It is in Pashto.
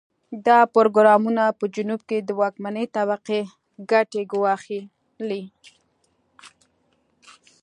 دا پروګرامونه په جنوب کې د واکمنې طبقې ګټې ګواښلې.